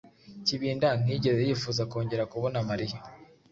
Kibinda ntiyigeze yifuza kongera kubona Mariya.